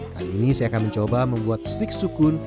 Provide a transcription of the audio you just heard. kali ini saya akan mencoba membuat stik sukun